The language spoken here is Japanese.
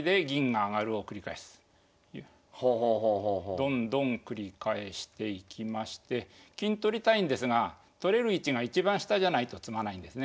どんどん繰り返していきまして金取りたいんですが取れる位置が一番下じゃないと詰まないんですね。